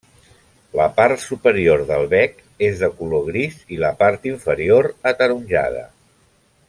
La part superior del bec és de color gris i la part inferior ataronjada.